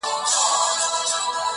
• په هغه اندازه پر غوږونو ښه لګیږي -